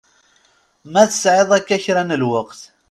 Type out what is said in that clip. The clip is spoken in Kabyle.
Ma tesɛiḍ akka kra n lweqt.